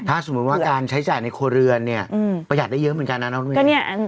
ถ้าสมมุติว่าการใช้จ่ายในครัวเรือนเนี่ยประหยัดได้เยอะเหมือนกันนะน้องมิน